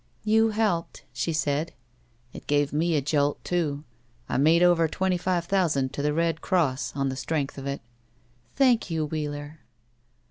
"You helped," she said. "It gave me a jolt, too. I made over twenty five thousand to the Red Cross on the strength of it." "Thank you, Wheeler."